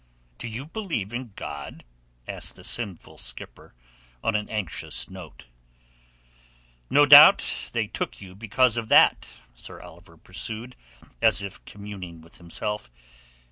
"Do you believe in God?" asked the sinful skipper on an anxious note. "No doubt they took you because of that," Sir Oliver pursued, as if communing with himself.